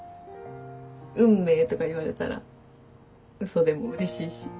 運命とか言われたら嘘でもうれしいし。